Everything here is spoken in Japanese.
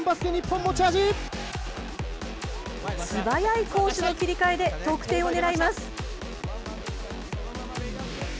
素早い攻守の切り替えで得点を狙います。